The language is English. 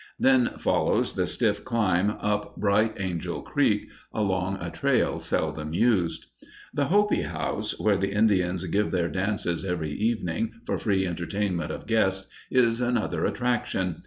Then follows the stiff climb up Bright Angel Creek, along a trail seldom used. The Hopi House, where the Indians give their dances every evening for free entertainment of guests, is another attraction.